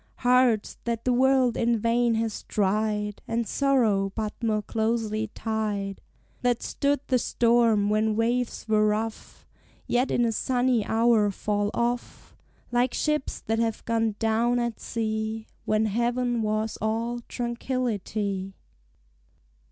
Hearts that the world in vain has tried, And sorrow but more closely tied; That stood the storm when waves were rough, Yet in a sunny hour fall off, Like ships that have gone down at sea, When heaven was all tranquillity!